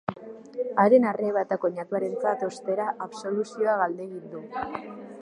Haren arreba eta koinatuarentzat, ostera, absoluzioa galdegin du.